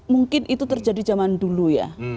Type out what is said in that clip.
mungkin itu terjadi zaman dulu ya